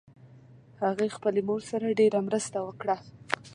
هغې خپلې مور سره ډېر مرسته وکړه